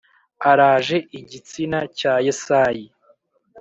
araje igitsina cya yesayi